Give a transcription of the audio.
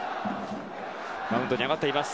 マウンドに上がっています。